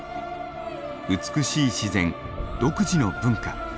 美しい自然独自の文化。